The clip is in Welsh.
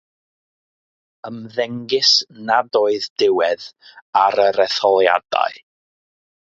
Ymddengys nad oedd diwedd ar yr etholiadau.